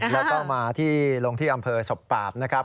แล้วก็มาที่ลงที่อำเภอศพปราบนะครับ